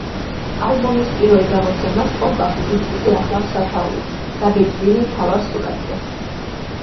ალბომის პირველ გამოცემას კომპაქტ დისკზე ახლავს სათაურიც, დაბეჭდილი მთავარ სურათზე.